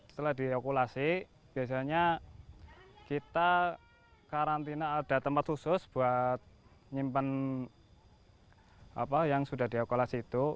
setelah diekulasi biasanya kita karantina ada tempat khusus buat nyimpen yang sudah diokulasi itu